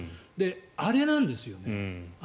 あれなんですよね。